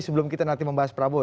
sebelum kita nanti membahas prabowo